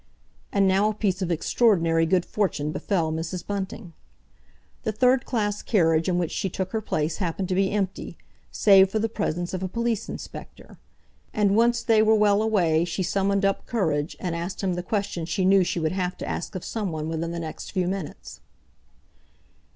And now a piece of extraordinary good fortune befell Mrs. Bunting. The third class carriage in which she took her place happened to be empty, save for the presence of a police inspector. And once they were well away she summoned up courage, and asked him the question she knew she would have to ask of someone within the next few minutes.